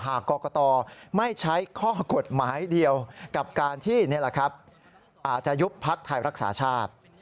กรกตไม่ใช้ข้อกฎหมายเดียวกับการที่อาจจะยุบพักไทยรักษาชาติ